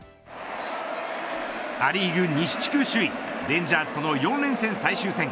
ア・リーグ西地区首位レンジャーズとの４連戦最終戦。